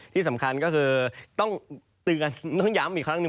ที่สำคัญก็คือต้องเตือนต้องย้ำอีกครั้งหนึ่ง